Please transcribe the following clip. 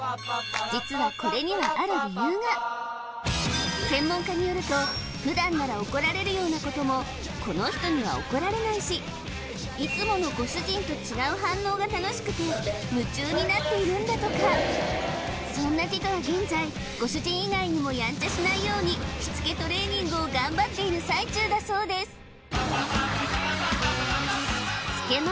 実はこれにはある理由が専門家によると普段なら怒られるようなこともこの人には怒られないしいつものご主人と違う反応が楽しくて夢中になっているんだとかそんなティトは現在ご主人以外にもやんちゃしないようにしつけトレーニングを頑張っている最中だそうです